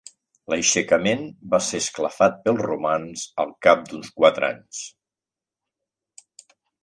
L'aixecament va ser esclafat pels romans al cap d'uns quatre anys.